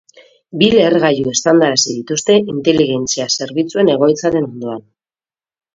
Bi lehergailu eztandarazi dituzte inteligentzia zerbitzuen egoitzaren ondoan.